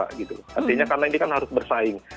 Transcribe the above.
artinya karena ini kan harus bersaing